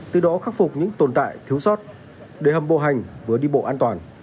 từ đó khắc phục những tồn tại thiếu sót để hầm bộ hành vừa đi bộ an toàn